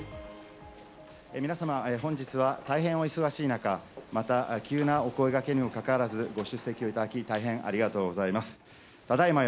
皆様、本日は大変お忙しい中、また急なお声がけにもかかわらず、ご出席をいただき大変ありがとうございます。